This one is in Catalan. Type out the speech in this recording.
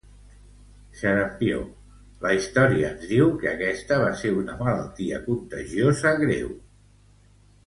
Xarampió la història ens diu que aquesta va ser una malaltia contagiosa greu.